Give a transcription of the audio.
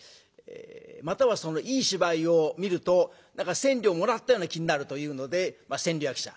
またはいい芝居を見ると何か千両もらったような気になるというので千両役者。